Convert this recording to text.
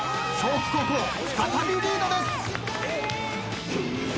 北高校再びリードです。